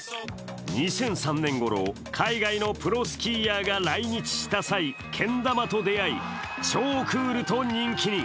２００３年ごろ、海外のプロスキーヤーが来日した際、けん玉と出会い超クールと人気に。